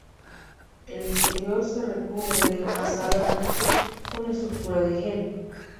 El exterior se recubre de una salsa dulce con textura de gel.